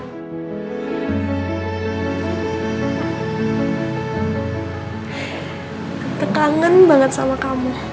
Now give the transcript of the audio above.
ketekangan banget sama kamu